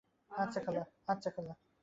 ওর কথা বিশ্বাস করেছে?